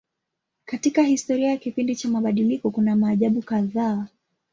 Katika historia ya kipindi cha mabadiliko kuna maajabu kadhaa.